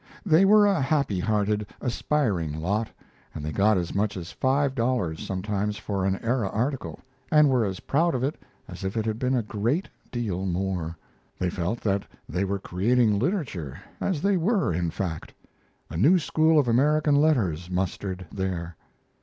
They were a happy hearted, aspiring lot, and they got as much as five dollars sometimes for an Era article, and were as proud of it as if it had been a great deal more. They felt that they were creating literature, as they were, in fact; a new school of American letters mustered there.